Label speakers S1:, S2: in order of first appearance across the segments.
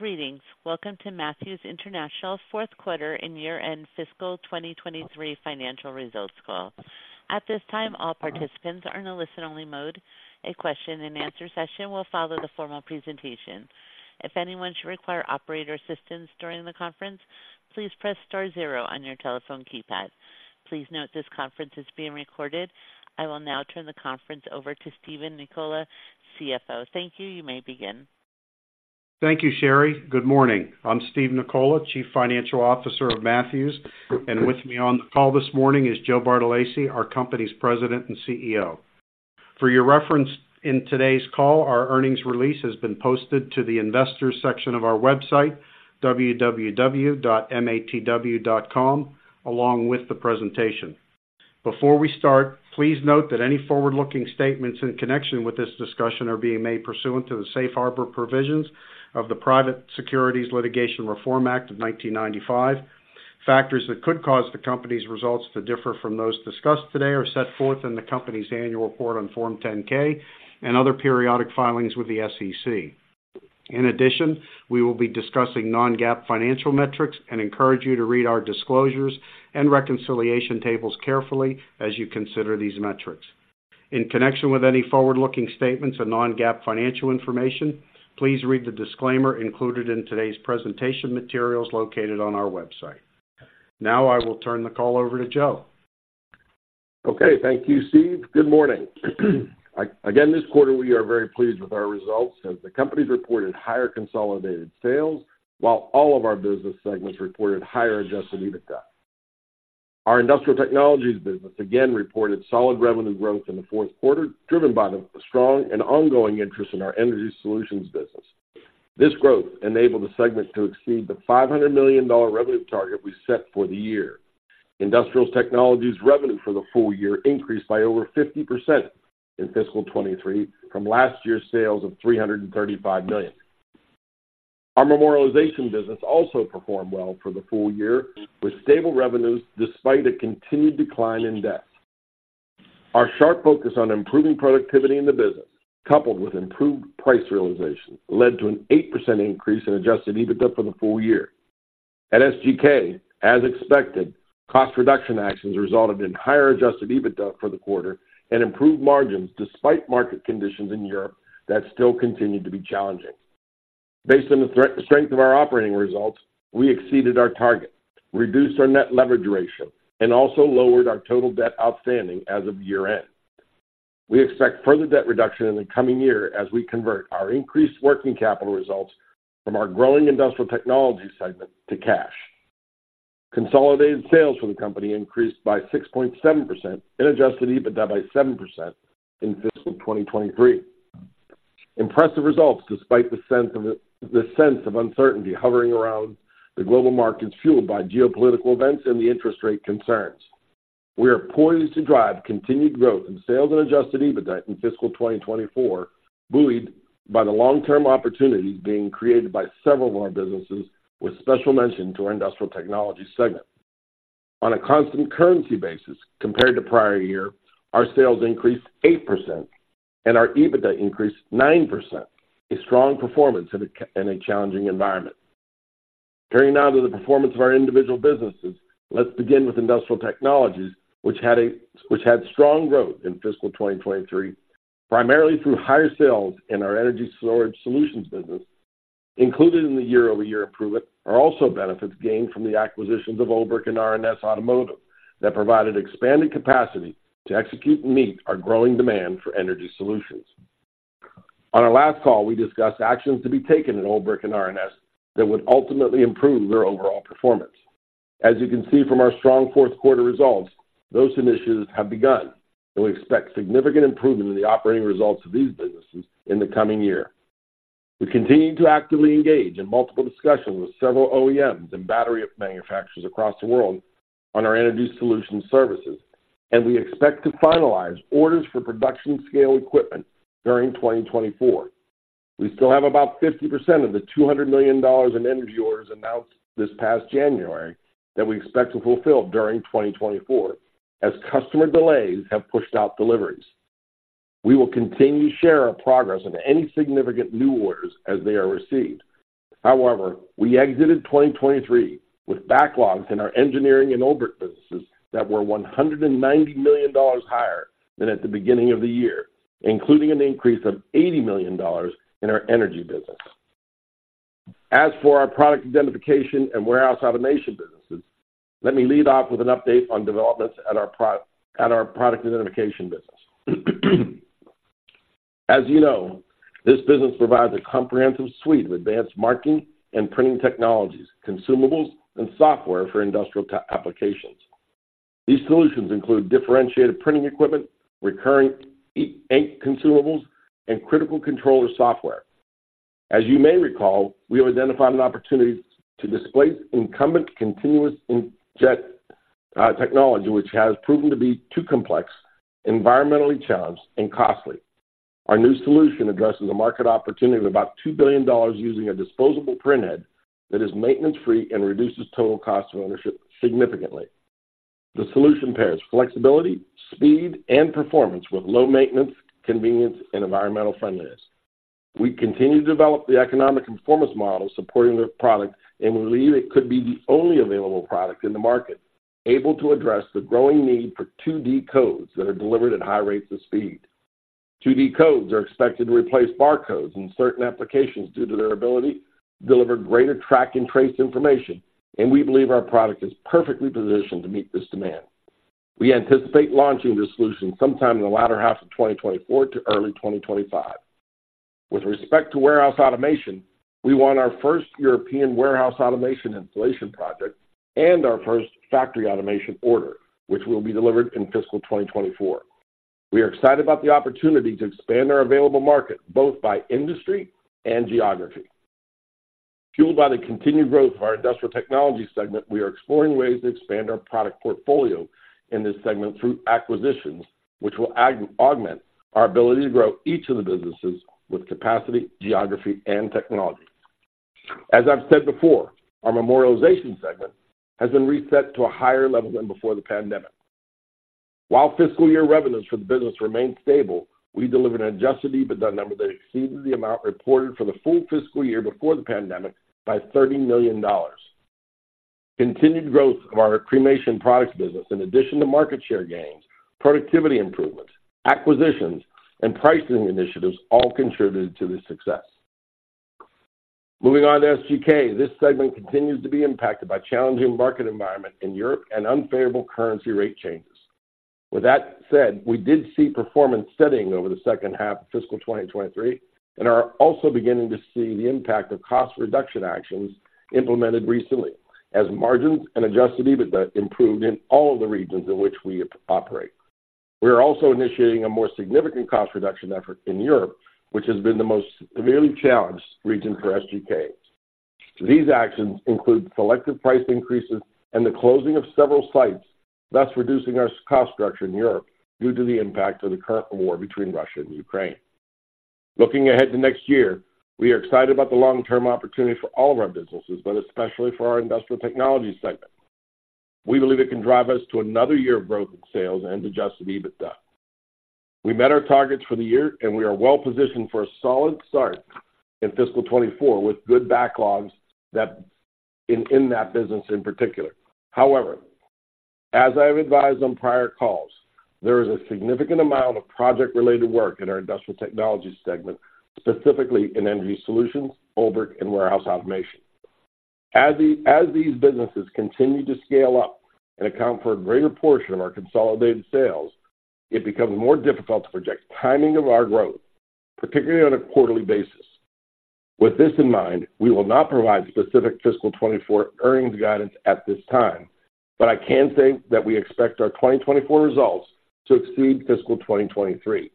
S1: Greetings. Welcome to Matthews International's fourth quarter and year-end fiscal 2023 financial results call. At this time, all participants are in a listen-only mode. A question and answer session will follow the formal presentation. If anyone should require operator assistance during the conference, please press star zero on your telephone keypad. Please note, this conference is being recorded. I will now turn the conference over to Steven Nicola, CFO. Thank you. You may begin.
S2: Thank you, Sherry. Good morning. I'm Steve Nicola, Chief Financial Officer of Matthews, and with me on the call this morning is Joe Bartolacci, our company's President and CEO. For your reference, in today's call, our earnings release has been posted to the investors section of our website, www.matw.com, along with the presentation. Before we start, please note that any forward-looking statements in connection with this discussion are being made pursuant to the Safe Harbor Provisions of the Private Securities Litigation Reform Act of 1995. Factors that could cause the company's results to differ from those discussed today are set forth in the company's annual report on Form 10-K and other periodic filings with the SEC. In addition, we will be discussing non-GAAP financial metrics and encourage you to read our disclosures and reconciliation tables carefully as you consider these metrics. In connection with any forward-looking statements and non-GAAP financial information, please read the disclaimer included in today's presentation materials located on our website. Now, I will turn the call over to Joe.
S3: Okay, thank you, Steve. Good morning. Again, this quarter, we are very pleased with our results, as the company's reported higher consolidated sales, while all of our business segments reported higher adjusted EBITDA. Our Industrial Technologies business again reported solid revenue growth in the fourth quarter, driven by the strong and ongoing interest in our energy solutions business. This growth enabled the segment to exceed the $500 million revenue target we set for the year. Industrial Technologies revenue for the full year increased by over 50% in fiscal 2023 from last year's sales of $335 million. Our Memorialization business also performed well for the full year, with stable revenues despite a continued decline in death. Our sharp focus on improving productivity in the business, coupled with improved price realization, led to an 8% increase in adjusted EBITDA for the full year. At SGK, as expected, cost reduction actions resulted in higher adjusted EBITDA for the quarter and improved margins despite market conditions in Europe that still continued to be challenging. Based on the strength of our operating results, we exceeded our target, reduced our net leverage ratio, and also lowered our total debt outstanding as of year-end. We expect further debt reduction in the coming year as we convert our increased working capital results from our growing industrial technology segment to cash. Consolidated sales for the company increased by 6.7% and adjusted EBITDA by 7% in fiscal 2023. Impressive results, despite the sense of uncertainty hovering around the global markets, fueled by geopolitical events and the interest rate concerns. We are poised to drive continued growth in sales and adjusted EBITDA in fiscal 2024, buoyed by the long-term opportunities being created by several of our businesses, with special mention to our industrial technologies segment. On a constant currency basis, compared to prior year, our sales increased 8% and our EBITDA increased 9%, a strong performance in a challenging environment. Turning now to the performance of our individual businesses. Let's begin with industrial technologies, which had strong growth in fiscal 2023, primarily through higher sales in our energy storage solutions business. Included in the year-over-year improvement are also benefits gained from the acquisitions of Olbrich and R+S Automotive that provided expanded capacity to execute and meet our growing demand for energy solutions. On our last call, we discussed actions to be taken at Olbrich and R+S that would ultimately improve their overall performance. As you can see from our strong fourth quarter results, those initiatives have begun, and we expect significant improvement in the operating results of these businesses in the coming year. We continue to actively engage in multiple discussions with several OEMs and battery manufacturers across the world on our energy solution services, and we expect to finalize orders for production scale equipment during 2024. We still have about 50% of the $200 million in energy orders announced this past January that we expect to fulfill during 2024, as customer delays have pushed out deliveries. We will continue to share our progress on any significant new orders as they are received. However, we exited 2023 with backlogs in our engineering and Olbrich businesses that were $190 million higher than at the beginning of the year, including an increase of $80 million in our energy business. As for our product identification and warehouse automation businesses, let me lead off with an update on developments at our product identification business. As you know, this business provides a comprehensive suite of advanced marking and printing technologies, consumables, and software for industrial applications. These solutions include differentiated printing equipment, recurring ink consumables, and critical controller software. As you may recall, we have identified an opportunity to displace incumbent continuous inkjet technology, which has proven to be too complex, environmentally challenged, and costly. Our new solution addresses a market opportunity of about $2 billion, using a disposable printhead that is maintenance-free and reduces total cost of ownership significantly. The solution pairs flexibility, speed, and performance with low maintenance, convenience, and environmental friendliness. We continue to develop the economic and performance model supporting the product, and we believe it could be the only available product in the market, able to address the growing need for 2D codes that are delivered at high rates of speed. 2D codes are expected to replace barcodes in certain applications due to their ability to deliver greater track and trace information, and we believe our product is perfectly positioned to meet this demand. We anticipate launching this solution sometime in the latter half of 2024 to early 2025. With respect to warehouse automation, we won our first European warehouse automation installation project and our first factory automation order, which will be delivered in fiscal 2024. We are excited about the opportunity to expand our available market, both by industry and geography. Fueled by the continued growth of our industrial technology segment, we are exploring ways to expand our product portfolio in this segment through acquisitions, which will augment our ability to grow each of the businesses with capacity, geography, and technology. As I've said before, our memorialization segment has been reset to a higher level than before the pandemic. While fiscal year revenues for the business remained stable, we delivered an adjusted EBITDA number that exceeded the amount reported for the full fiscal year before the pandemic by $30 million. Continued growth of our cremation products business, in addition to market share gains, productivity improvements, acquisitions, and pricing initiatives, all contributed to this success. Moving on to SGK. This segment continues to be impacted by challenging market environment in Europe and unfavorable currency rate changes. With that said, we did see performance steadying over the second half of fiscal 2023, and are also beginning to see the impact of cost reduction actions implemented recently, as margins and adjusted EBITDA improved in all of the regions in which we operate. We are also initiating a more significant cost reduction effort in Europe, which has been the most severely challenged region for SGK. These actions include selective price increases and the closing of several sites, thus reducing our cost structure in Europe due to the impact of the current war between Russia and Ukraine. Looking ahead to next year, we are excited about the long-term opportunity for all of our businesses, but especially for our industrial technology segment. We believe it can drive us to another year of growth in sales and adjusted EBITDA. We met our targets for the year, and we are well positioned for a solid start in fiscal 2024, with good backlogs that in that business in particular. However, as I have advised on prior calls, there is a significant amount of project-related work in our industrial technology segment, specifically in energy solutions, Olbrich, and warehouse automation. As these businesses continue to scale up and account for a greater portion of our consolidated sales, it becomes more difficult to project timing of our growth, particularly on a quarterly basis. With this in mind, we will not provide specific fiscal 2024 earnings guidance at this time, but I can say that we expect our 2024 results to exceed fiscal 2023.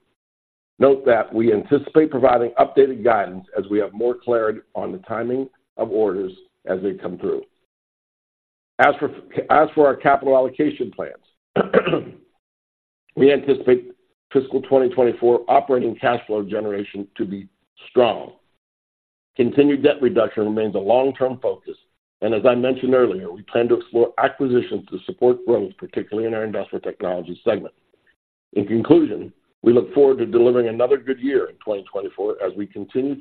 S3: Note that we anticipate providing updated guidance as we have more clarity on the timing of orders as they come through. As for our capital allocation plans, we anticipate fiscal 2024 operating cash flow generation to be strong. Continued debt reduction remains a long-term focus, and as I mentioned earlier, we plan to explore acquisitions to support growth, particularly in our industrial technology segment. In conclusion, we look forward to delivering another good year in 2024 as we continue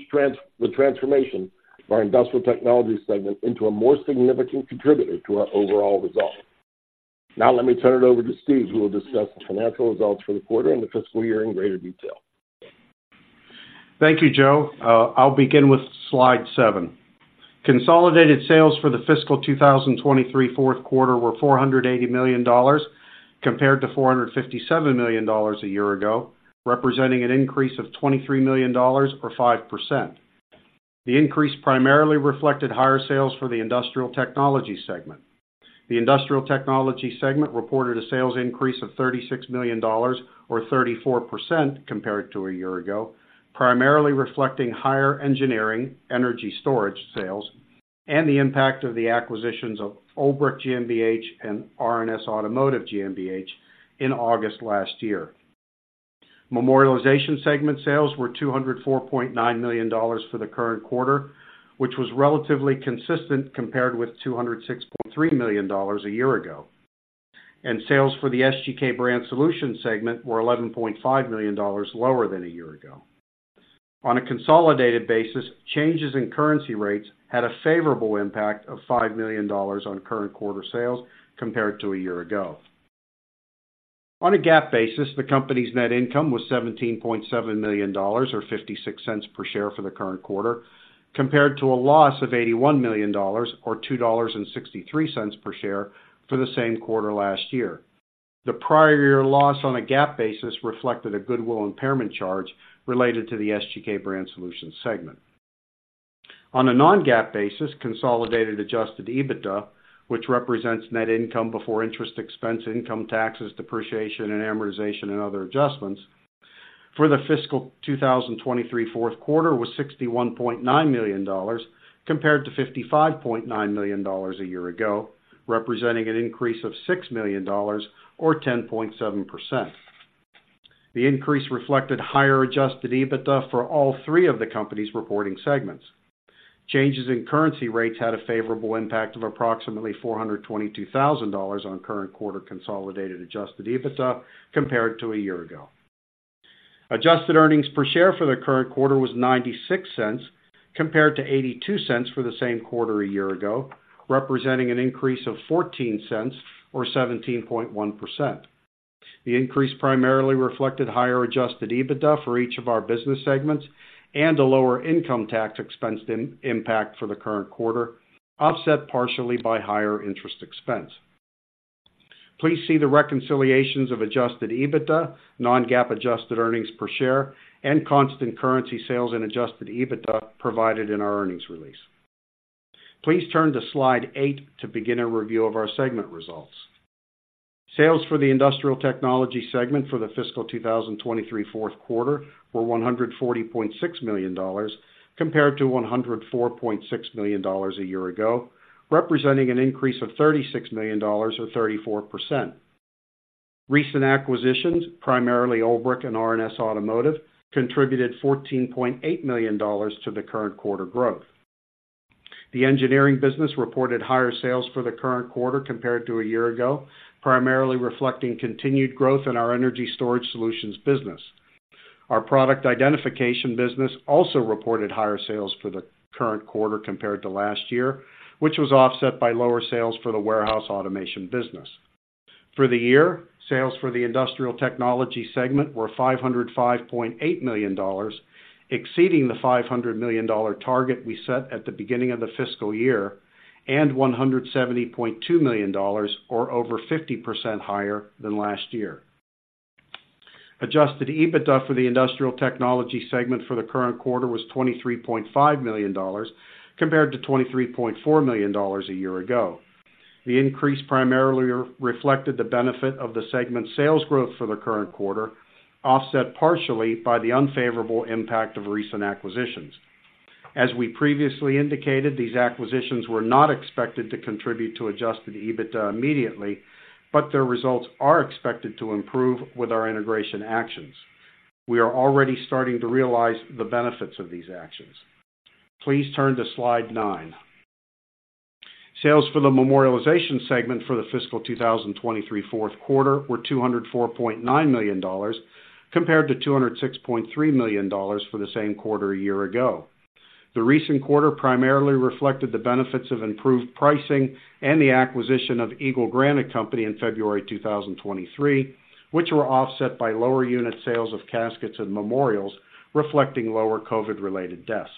S3: the transformation of our industrial technology segment into a more significant contributor to our overall results. Now let me turn it over to Steve, who will discuss the financial results for the quarter and the fiscal year in greater detail.
S2: Thank you, Joe. I'll begin with slide 7. Consolidated sales for the fiscal 2023 fourth quarter were $480 million, compared to $457 million a year ago, representing an increase of $23 million or 5%. The increase primarily reflected higher sales for the industrial technology segment. The industrial technology segment reported a sales increase of $36 million or 34% compared to a year ago, primarily reflecting higher engineering, energy storage, sales, and the impact of the acquisitions of Olbrich GmbH and R+S Automotive GmbH in August last year. Memorialization segment sales were $204.9 million for the current quarter, which was relatively consistent compared with $206.3 million a year ago, and sales for the SGK Brand Solutions segment were $11.5 million lower than a year ago. On a consolidated basis, changes in currency rates had a favorable impact of $5 million on current quarter sales compared to a year ago. On a GAAP basis, the company's net income was $17.7 million, or $0.56 per share for the current quarter, compared to a loss of $81 million, or $2.63 per share, for the same quarter last year. The prior year loss on a GAAP basis reflected a goodwill impairment charge related to the SGK Brand Solutions segment. On a non-GAAP basis, consolidated adjusted EBITDA, which represents net income before interest expense, income taxes, depreciation and amortization, and other adjustments, for the fiscal 2023 fourth quarter, was $61.9 million, compared to $55.9 million a year ago, representing an increase of $6 million or 10.7%. The increase reflected higher adjusted EBITDA for all three of the company's reporting segments. Changes in currency rates had a favorable impact of approximately $422,000 on current quarter consolidated adjusted EBITDA compared to a year ago. Adjusted earnings per share for the current quarter was $0.96, compared to $0.82 for the same quarter a year ago, representing an increase of $0.14, or 17.1%. The increase primarily reflected higher adjusted EBITDA for each of our business segments and a lower income tax expense impact for the current quarter, offset partially by higher interest expense. Please see the reconciliations of adjusted EBITDA, non-GAAP adjusted earnings per share, and constant currency sales and adjusted EBITDA provided in our earnings release. Please turn to Slide 8 to begin a review of our segment results. Sales for the Industrial Technology segment for the fiscal 2023 fourth quarter were $140.6 million, compared to $104.6 million a year ago, representing an increase of $36 million or 34%. Recent acquisitions, primarily Olbrich and R+S Automotive, contributed $14.8 million to the current quarter growth. The engineering business reported higher sales for the current quarter compared to a year ago, primarily reflecting continued growth in our energy storage solutions business. Our product identification business also reported higher sales for the current quarter compared to last year, which was offset by lower sales for the warehouse automation business. For the year, sales for the Industrial Technology segment were $505.8 million, exceeding the $500 million target we set at the beginning of the fiscal year, and $170.2 million, or over 50% higher than last year. Adjusted EBITDA for the Industrial Technology segment for the current quarter was $23.5 million, compared to $23.4 million a year ago. The increase primarily reflected the benefit of the segment's sales growth for the current quarter, offset partially by the unfavorable impact of recent acquisitions. As we previously indicated, these acquisitions were not expected to contribute to adjusted EBITDA immediately, but their results are expected to improve with our integration actions. We are already starting to realize the benefits of these actions. Please turn to Slide 9. Sales for the Memorialization segment for the fiscal 2023 fourth quarter were $204.9 million, compared to $206.3 million for the same quarter a year ago. The recent quarter primarily reflected the benefits of improved pricing and the acquisition of Eagle Granite Company in February 2023, which were offset by lower unit sales of caskets and memorials, reflecting lower COVID-related deaths.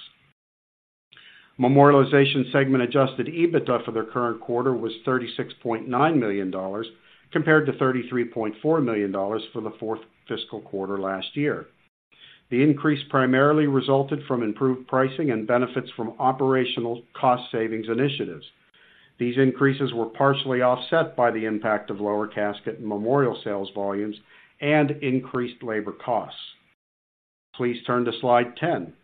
S2: Memorialization segment adjusted EBITDA for the current quarter was $36.9 million, compared to $33.4 million for the fourth fiscal quarter last year. The increase primarily resulted from improved pricing and benefits from operational cost savings initiatives. These increases were partially offset by the impact of lower casket and memorial sales volumes and increased labor costs. Please turn to Slide 10.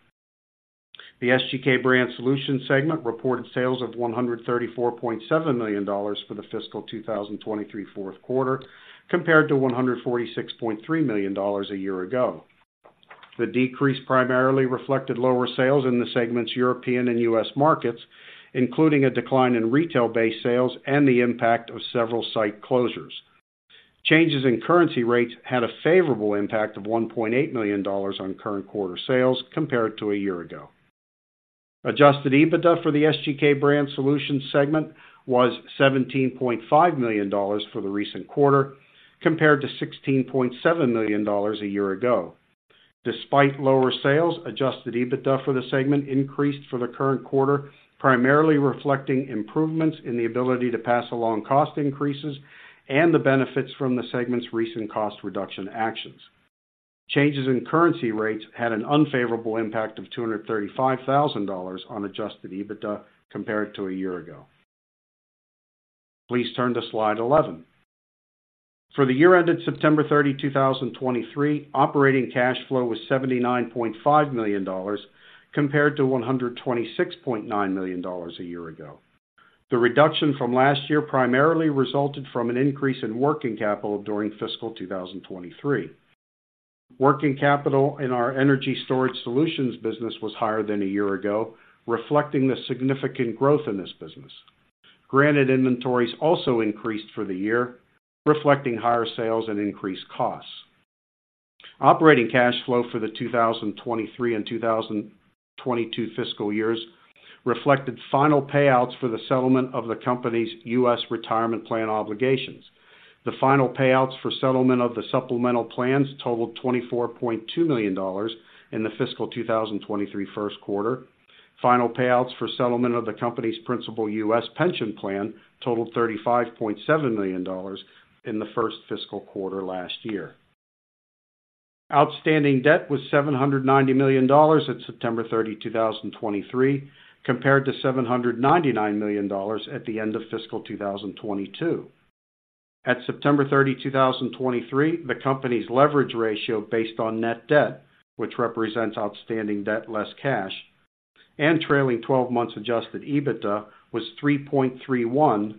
S2: The SGK Brand Solutions segment reported sales of $134.7 million for the fiscal 2023 fourth quarter, compared to $146.3 million a year ago. The decrease primarily reflected lower sales in the segment's European and U.S. markets, including a decline in retail-based sales and the impact of several site closures. Changes in currency rates had a favorable impact of $1.8 million on current quarter sales compared to a year ago. Adjusted EBITDA for the SGK Brand Solutions segment was $17.5 million for the recent quarter, compared to $16.7 million a year ago. Despite lower sales, adjusted EBITDA for the segment increased for the current quarter, primarily reflecting improvements in the ability to pass along cost increases and the benefits from the segment's recent cost reduction actions. Changes in currency rates had an unfavorable impact of $235,000 on adjusted EBITDA compared to a year ago. Please turn to Slide 11. For the year ended September 30, 2023, operating cash flow was $79.5 million, compared to $126.9 million a year ago. The reduction from last year primarily resulted from an increase in working capital during fiscal 2023. Working capital in our energy storage solutions business was higher than a year ago, reflecting the significant growth in this business. Granted, inventories also increased for the year, reflecting higher sales and increased costs. Operating cash flow for the 2023 and 2022 fiscal years reflected final payouts for the settlement of the company's U.S. retirement plan obligations. The final payouts for settlement of the supplemental plans totaled $24.2 million in the fiscal 2023 first quarter. Final payouts for settlement of the company's principal U.S. pension plan totaled $35.7 million in the first fiscal quarter last year. Outstanding debt was $790 million at September 30, 2023, compared to $799 million at the end of fiscal 2022. At September 30, 2023, the company's leverage ratio, based on net debt, which represents outstanding debt less cash...... and trailing 12 months adjusted EBITDA was 3.31,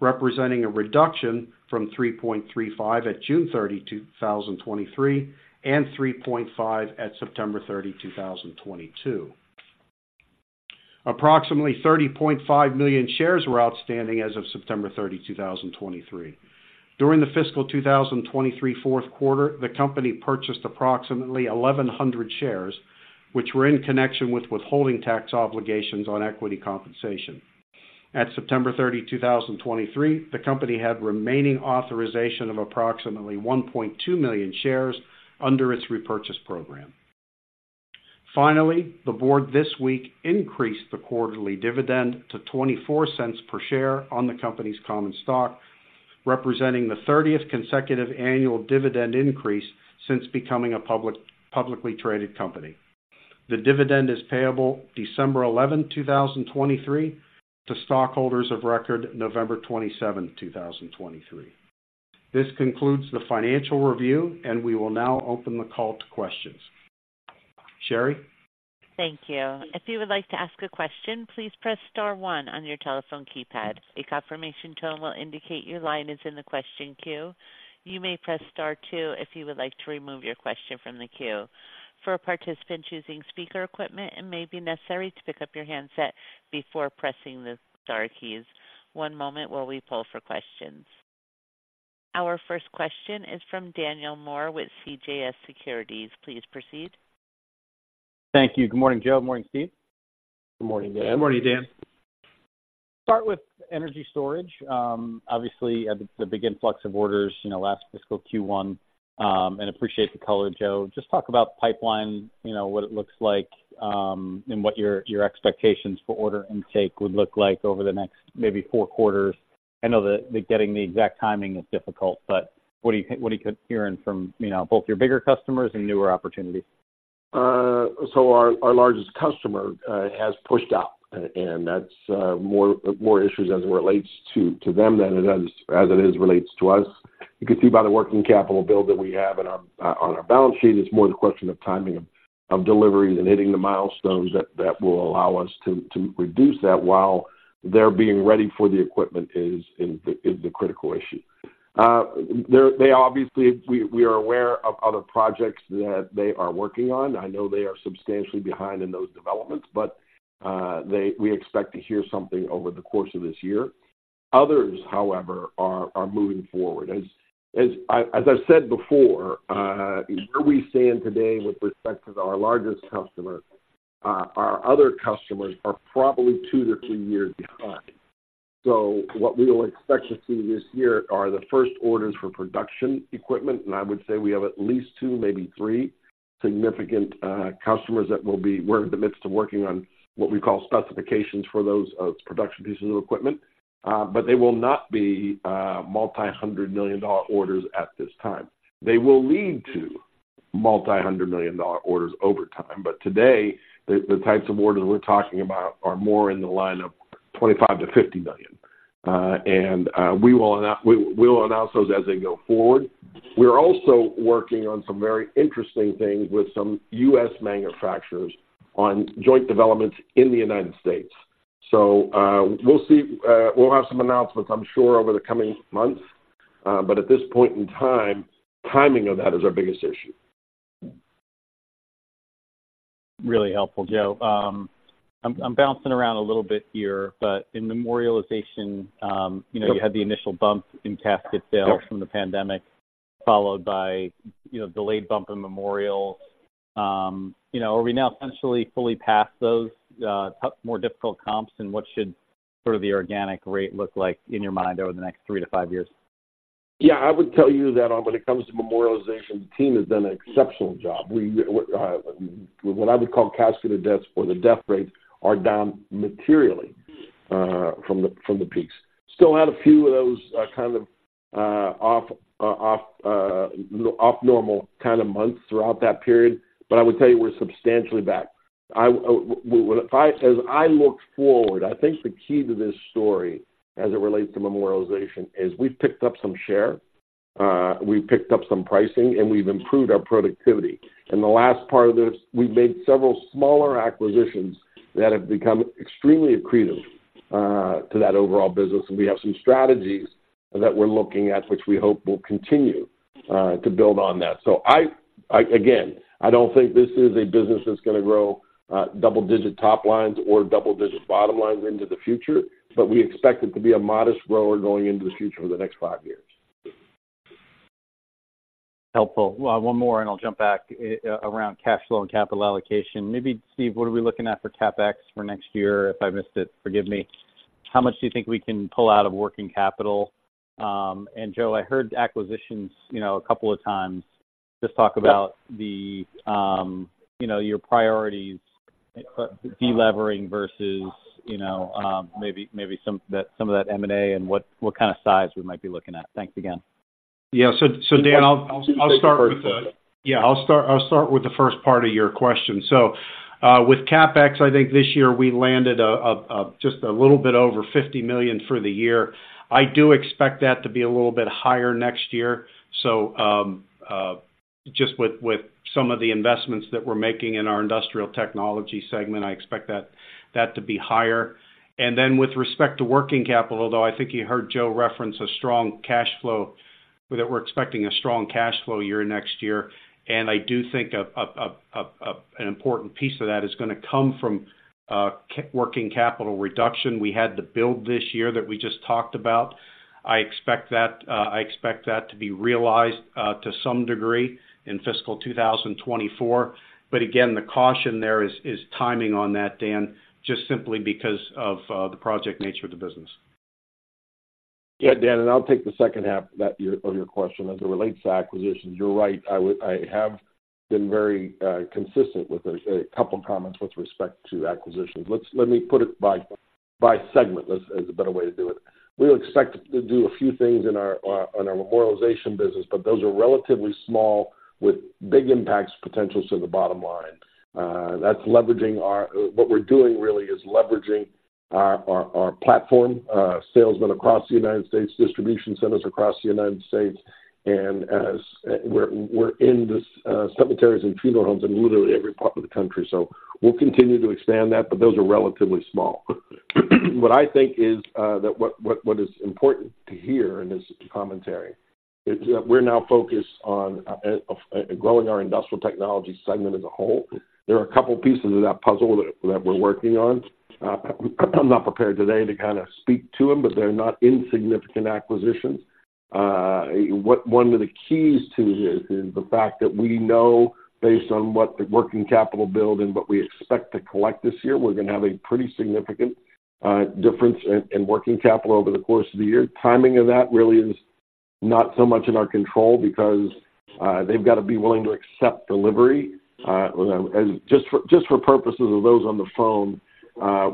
S2: representing a reduction from 3.35 at June 30, 2023, and 3.5 at September 30, 2022. Approximately 30.5 million shares were outstanding as of September 30, 2023. During the fiscal 2023 fourth quarter, the company purchased approximately 1,100 shares, which were in connection with withholding tax obligations on equity compensation. At September 30, 2023, the company had remaining authorization of approximately 1.2 million shares under its repurchase program. Finally, the board this week increased the quarterly dividend to $0.24 per share on the company's common stock, representing the 30th consecutive annual dividend increase since becoming a public, publicly traded company. The dividend is payable December 11, 2023, to stockholders of record November 27, 2023. This concludes the financial review, and we will now open the call to questions. Sherry?
S1: Thank you. If you would like to ask a question, please press star one on your telephone keypad. A confirmation tone will indicate your line is in the question queue. You may press star two if you would like to remove your question from the queue. For a participant choosing speaker equipment, it may be necessary to pick up your handset before pressing the star keys. One moment while we pull for questions. Our first question is from Daniel Moore with CJS Securities. Please proceed.
S4: Thank you. Good morning, Joe. Morning, Steve.
S3: Good morning, Dan.
S2: Good morning, Dan.
S4: Start with energy storage. Obviously, the, the big influx of orders, you know, last fiscal Q1, and appreciate the color, Joe. Just talk about pipeline, you know, what it looks like, and what your, your expectations for order intake would look like over the next maybe four quarters. I know that getting the exact timing is difficult, but what do you, what are you hearing from, you know, both your bigger customers and newer opportunities?
S3: So our largest customer has pushed out, and that's more issues as it relates to them than it does as it relates to us. You can see by the working capital build that we have on our balance sheet. It's more the question of timing of deliveries and hitting the milestones that will allow us to reduce that while they're being ready for the equipment is the critical issue. They're. They obviously. We are aware of other projects that they are working on. I know they are substantially behind in those developments, but they. We expect to hear something over the course of this year. Others, however, are moving forward. As I've said before, where we stand today with respect to our largest customer, our other customers are probably two to three years behind. So what we will expect to see this year are the first orders for production equipment, and I would say we have at least two, maybe three significant customers that will be we're in the midst of working on what we call specifications for those production pieces of equipment. But they will not be multi-hundred million dollar orders at this time. They will lead to multi-hundred million dollar orders over time, but today, the types of orders we're talking about are more in the line of $25 million-$50 million. And we will announce those as they go forward. We're also working on some very interesting things with some U.S. manufacturers on joint developments in the United States. So, we'll see. We'll have some announcements, I'm sure, over the coming months, but at this point in time, timing of that is our biggest issue.
S4: Really helpful, Joe. I'm bouncing around a little bit here, but in memorialization, you know, you had the initial bump in casket sales from the pandemic, followed by, you know, delayed bump in memorials. You know, are we now essentially fully past those, more difficult comps, and what should sort of the organic rate look like in your mind over the next three to five years?
S3: Yeah, I would tell you that, when it comes to memorialization, the team has done an exceptional job. We, what I would call calculated deaths or the death rates are down materially, from the peaks. Still had a few of those, kind of, off normal kind of months throughout that period, but I would tell you we're substantially back. As I look forward, I think the key to this story, as it relates to memorialization, is we've picked up some share, we've picked up some pricing, and we've improved our productivity. And the last part of this, we've made several smaller acquisitions that have become extremely accretive, to that overall business. And we have some strategies that we're looking at, which we hope will continue, to build on that. Again, I don't think this is a business that's gonna grow double-digit top lines or double-digit bottom lines into the future, but we expect it to be a modest grower going into the future for the next five years.
S4: Helpful. One more, and I'll jump back around cash flow and capital allocation. Maybe, Steve, what are we looking at for CapEx for next year? If I missed it, forgive me. How much do you think we can pull out of working capital? And Joe, I heard acquisitions, you know, a couple of times. Just talk about the, you know, your priorities, delevering versus, you know, maybe some of that M&A and what kind of size we might be looking at. Thanks again.
S2: Yeah, so Dan, I'll start with the first part of your question. So, with CapEx, I think this year we landed just a little bit over $50 million for the year. I do expect that to be a little bit higher next year. So, just with some of the investments that we're making in our industrial technology segment, I expect that to be higher. And then with respect to working capital, though, I think you heard Joe reference a strong cash flow, that we're expecting a strong cash flow year next year. And I do think an important piece of that is gonna come from working capital reduction. We had to build this year that we just talked about. I expect that, I expect that to be realized, to some degree in fiscal 2024. But again, the caution there is, is timing on that, Dan, just simply because of, the project nature of the business.
S3: Yeah, Dan, and I'll take the second half of that, of your question as it relates to acquisitions. You're right. I have been very consistent with a couple of comments with respect to acquisitions. Let me put it by segment. That's a better way to do it. We expect to do a few things in our memorialization business, but those are relatively small, with big impact potential to the bottom line. That's leveraging our platform. What we're doing really is leveraging our platform, salesmen across the United States, distribution centers across the United States, and we're in cemeteries and funeral homes in literally every part of the country. So we'll continue to expand that, but those are relatively small. What I think is that what is important to hear in this commentary is that we're now focused on growing our industrial technology segment as a whole. There are a couple of pieces of that puzzle that we're working on. I'm not prepared today to kind of speak to them, but they're not insignificant acquisitions. One of the keys to this is the fact that we know based on what the working capital build and what we expect to collect this year, we're gonna have a pretty significant difference in working capital over the course of the year. Timing of that really is not so much in our control because they've got to be willing to accept delivery. Just for purposes of those on the phone,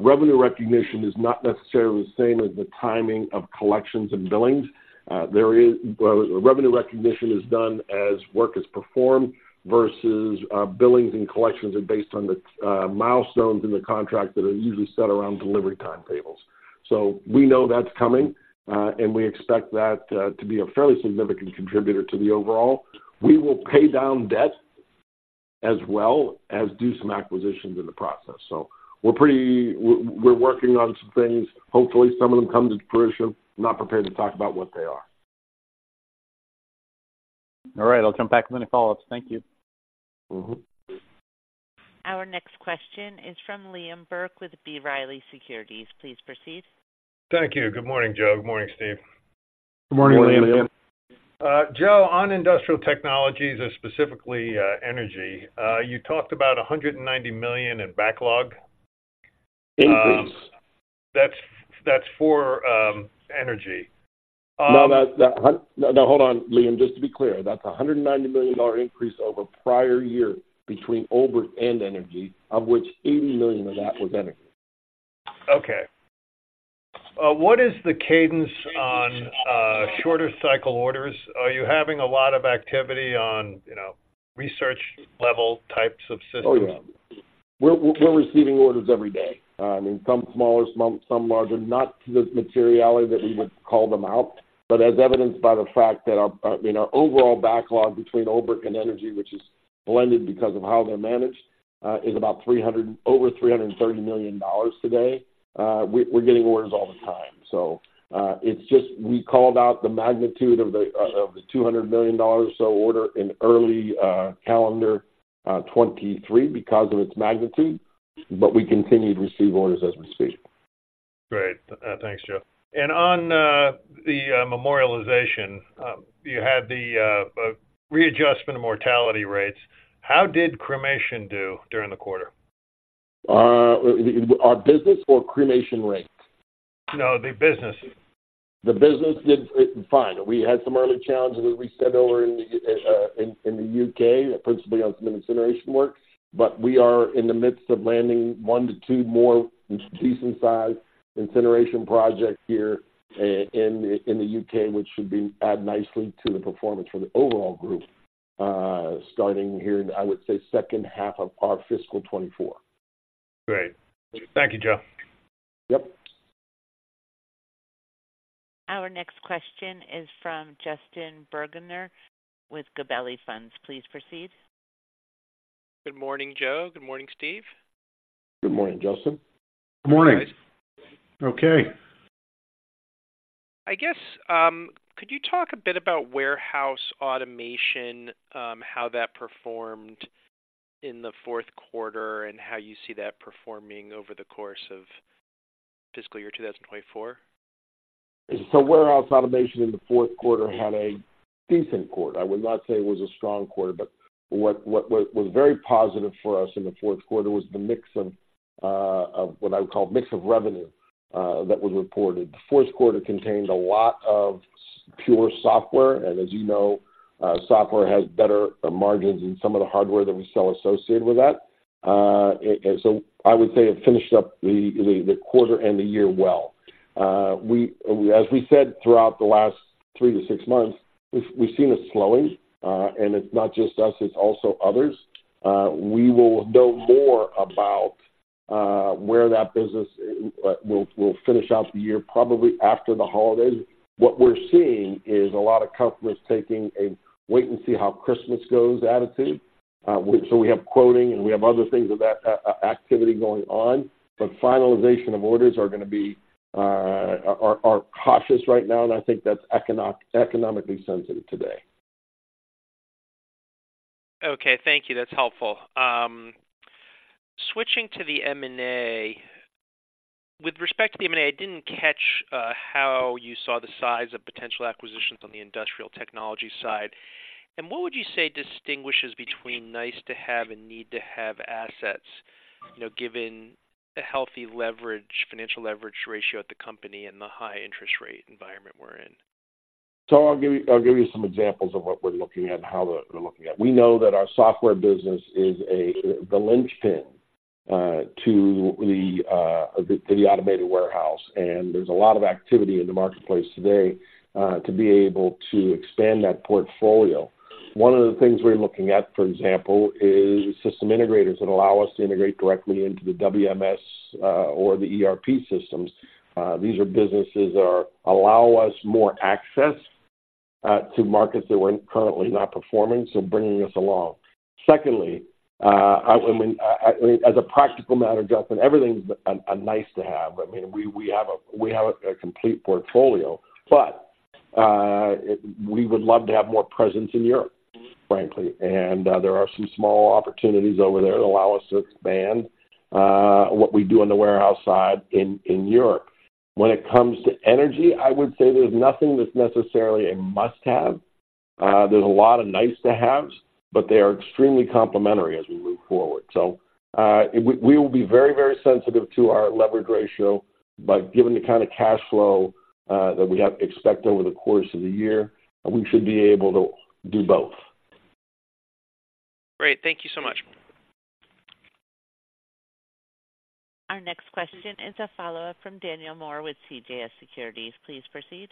S3: revenue recognition is not necessarily the same as the timing of collections and billings. Revenue recognition is done as work is performed versus, billings and collections are based on the milestones in the contract that are usually set around delivery timetables. So we know that's coming, and we expect that to be a fairly significant contributor to the overall. We will pay down debt as well as do some acquisitions in the process. So we're working on some things. Hopefully, some of them come to fruition. Not prepared to talk about what they are.
S4: All right. I'll come back with any follow-ups. Thank you.
S3: Mm-hmm.
S1: Our next question is from Liam Burke with B. Riley Securities. Please proceed.
S5: Thank you. Good morning, Joe. Good morning, Steve.
S3: Good morning, Liam.
S2: Good morning.
S5: Joe, on industrial technologies, and specifically, energy, you talked about $190 million in backlog.
S3: Increase.
S5: That's for energy.
S3: No, hold on, Liam. Just to be clear, that's a $190 million increase over prior year between Olbrich and energy, of which $80 million of that was energy.
S5: Okay. What is the cadence on, shorter cycle orders? Are you having a lot of activity on, you know, research level types of systems?
S3: Oh, yeah. We're receiving orders every day. I mean, some smaller, some larger, not to the materiality that we would call them out, but as evidenced by the fact that our, I mean, our overall backlog between Olbrich and energy, which is blended because of how they're managed, is about $300--over $330 million today. We're getting orders all the time. So, it's just we called out the magnitude of the $200 million or so order in early calendar 2023 because of its magnitude, but we continue to receive orders as we speak.
S5: Great. Thanks, Joe. And on the memorialization, you had the readjustment of mortality rates. How did cremation do during the quarter?
S3: our business or cremation rates?
S5: No, the business.
S3: The business did fine. We had some early challenges, as we said, over in the U.K., principally on some incineration work, but we are in the midst of landing 1-2 more decent-sized incineration projects here in the U.K., which should add nicely to the performance for the overall group, starting here, I would say, second half of our fiscal 2024.
S5: Great. Thank you, Joe.
S3: Yep.
S1: Our next question is from Justin Bergner with Gabelli Funds. Please proceed.
S6: Good morning, Joe. Good morning, Steve.
S3: Good morning, Justin.
S2: Good morning. Okay.
S6: I guess, could you talk a bit about warehouse automation, how that performed in the fourth quarter, and how you see that performing over the course of fiscal year 2024?
S3: So warehouse automation in the fourth quarter had a decent quarter. I would not say it was a strong quarter, but what was very positive for us in the fourth quarter was the mix of, of what I would call mix of revenue, that was reported. The fourth quarter contained a lot of pure software, and as you know, software has better margins in some of the hardware that we sell associated with that. And so I would say it finished up the quarter and the year well. As we said throughout the last three to six months, we've seen a slowing, and it's not just us, it's also others. We will know more about where that business will finish out the year, probably after the holidays. What we're seeing is a lot of customers taking a wait-and-see how Christmas goes attitude. So we have quoting, and we have other things of that activity going on, but finalization of orders are gonna be cautious right now, and I think that's economically sensitive today.
S6: Okay, thank you. That's helpful. Switching to the M&A. With respect to the M&A, I didn't catch how you saw the size of potential acquisitions on the industrial technology side, and what would you say distinguishes between nice to have and need to have assets, you know, given the healthy leverage, financial leverage ratio at the company and the high interest rate environment we're in?
S3: So I'll give you some examples of what we're looking at and how we're looking at. We know that our software business is the linchpin to the automated warehouse, and there's a lot of activity in the marketplace today to be able to expand that portfolio. One of the things we're looking at, for example, is system integrators that allow us to integrate directly into the WMS or the ERP systems. These are businesses that allow us more access to markets that we're currently not performing, so bringing us along. Secondly, I mean, as a practical matter, Justin, everything's a nice to have. I mean, we have a complete portfolio, but we would love to have more presence in Europe, frankly, and there are some small opportunities over there that allow us to expand what we do on the warehouse side in Europe. When it comes to energy, I would say there's nothing that's necessarily a must-have. There's a lot of nice-to-haves, but they are extremely complementary as we move forward. So, we will be very, very sensitive to our leverage ratio, but given the kind of cash flow that we expect over the course of the year, we should be able to do both.
S6: Great. Thank you so much.
S1: Our next question is a follow-up from Daniel Moore with CJS Securities. Please proceed.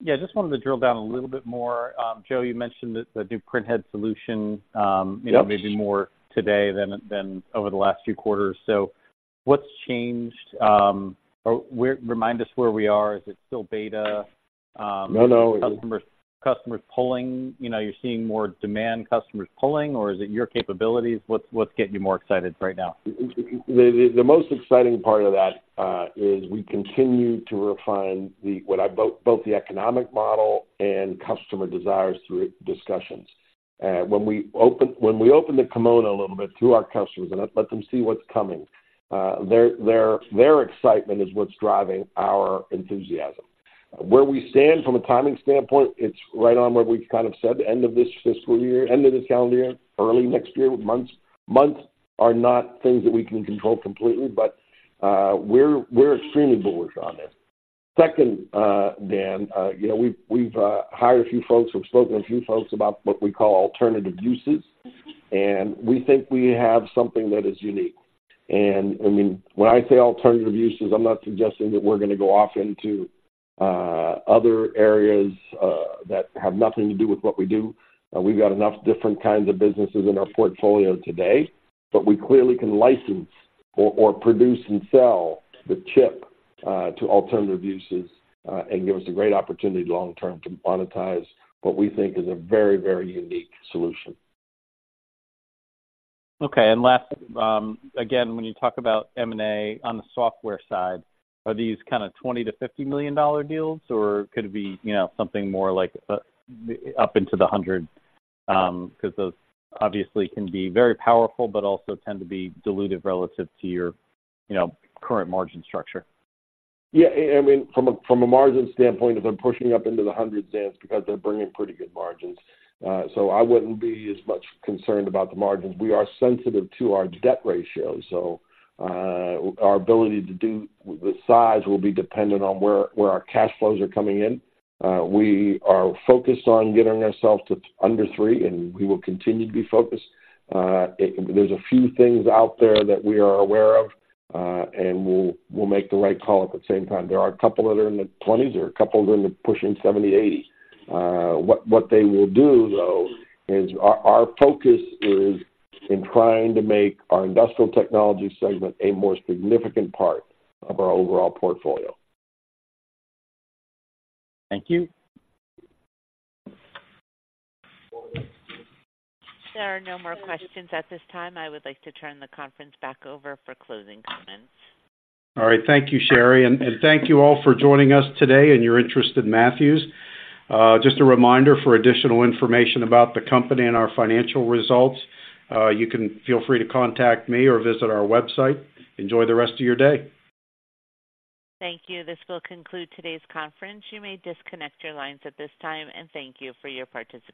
S4: Yeah, I just wanted to drill down a little bit more. Joe, you mentioned the new printhead solution,
S3: Yep.
S4: - maybe more today than over the last few quarters. So what's changed? or where... Remind us where we are. Is it still beta?
S3: No, no.
S4: Customers, customers pulling. You know, you're seeing more demand, customers pulling, or is it your capabilities? What's, what's getting you more excited right now?
S3: The most exciting part of that is we continue to refine well, both the economic model and customer desires through discussions. When we open the kimono a little bit to our customers and let them see what's coming, their excitement is what's driving our enthusiasm. Where we stand from a timing standpoint, it's right on where we've kind of said, end of this fiscal year, end of this calendar year, early next year, months. Months are not things that we can control completely, but we're extremely bullish on this. Second, Dan, you know, we've hired a few folks. We've spoken to a few folks about what we call alternative uses, and we think we have something that is unique. And I mean, when I say alternative uses, I'm not suggesting that we're gonna go off into other areas that have nothing to do with what we do. We've got enough different kinds of businesses in our portfolio today, but we clearly can license or produce and sell the chip to alternative uses and give us a great opportunity long term to monetize what we think is a very, very unique solution.
S4: Okay. And last, again, when you talk about M&A on the software side, are these kind of $20 million-$50 million deals, or could it be, you know, something more like up into the 100? Because those obviously can be very powerful, but also tend to be dilutive relative to your, you know, current margin structure.
S3: Yeah, I mean, from a margin standpoint, if I'm pushing up into the hundreds, Dan, it's because they're bringing pretty good margins. So I wouldn't be as much concerned about the margins. We are sensitive to our debt ratio, so our ability to do the size will be dependent on where our cash flows are coming in. We are focused on getting ourselves to under three, and we will continue to be focused. There's a few things out there that we are aware of, and we'll make the right call at the same time. There are a couple that are in the 20s, there are a couple that are pushing 70, 80. What they will do, though, is our focus is in trying to make our industrial technology segment a more significant part of our overall portfolio.
S4: Thank you.
S1: There are no more questions at this time. I would like to turn the conference back over for closing comments.
S3: All right. Thank you, Sherry, and thank you all for joining us today and your interest in Matthews. Just a reminder, for additional information about the company and our financial results, you can feel free to contact me or visit our website. Enjoy the rest of your day.
S1: Thank you. This will conclude today's conference. You may disconnect your lines at this time, and thank you for your participation.